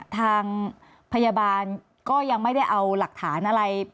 ทางพยาบาลก็ยังไม่ได้เอาหลักฐานอะไร